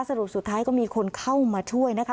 สรุปสุดท้ายก็มีคนเข้ามาช่วยนะคะ